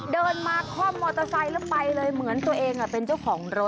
เดินมาคล่อมมอเตอร์ไซค์แล้วไปเลยเหมือนตัวเองเป็นเจ้าของรถ